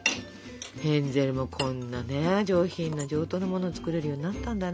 ヘンゼルもこんなね上品な上等なもの作れるようになったんだね。